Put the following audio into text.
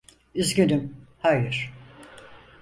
Üzgünüm, hayır.